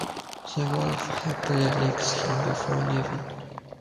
The wolf happily licks him before leaving.